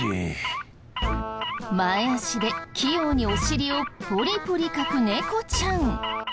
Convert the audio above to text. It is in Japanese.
前脚で器用にお尻をポリポリかく猫ちゃん。